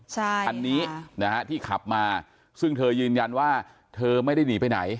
ใช่คันนี้นะฮะที่ขับมาซึ่งเธอยืนยันว่าเธอไม่ได้หนีไปไหน